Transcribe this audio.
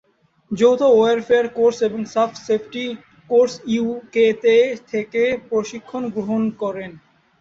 যৌথ warfare course এবং সাফ সেফটি কোর্স ইউ কে তে থেকে প্রশিক্ষণ গ্রহণ করেন।